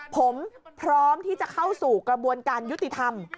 ผมพร้อมที่จะเข้าสู่กระบวนการยุติธรรม